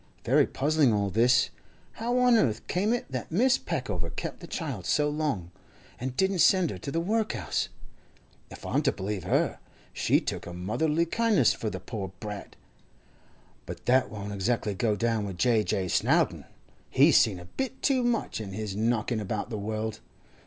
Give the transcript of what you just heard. Very puzzling all this. How on earth came it that Mrs. Peckover kept the child so long, and didn't send her to the workhouse? If I'm to believe her, she took a motherly kindness for the poor brat. But that won't exactly go down with J. J. Snowdon; he's seen a bit too much in his knocking about the world.